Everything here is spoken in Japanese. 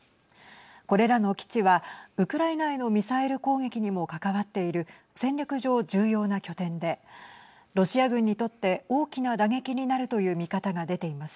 これらの基地はウクライナへのミサイル攻撃にも関わっている戦略上、重要な拠点でロシア軍にとって大きな打撃になるという見方が出ています。